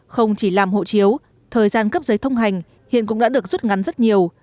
không chỉ làm hộ chiếu thời gian cấp giấy thông hành hiện cũng đã được rút ngắn rất nhiều